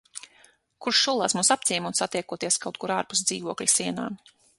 Kurš solās mūs apciemot, satiekoties kaut kur ārpus dzīvokļa sienām.